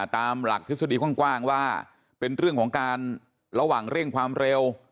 ตามหลักทฤษฎีกว้างว่าเป็นเรื่องของการระหว่างเร่งความเร็ว